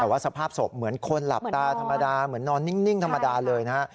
แต่ว่าสภาพศพเหมือนคนหลับตาธรรมดาเหมือนนอนนิ่งธรรมดาเลยนะฮะ